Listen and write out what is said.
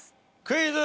クイズ。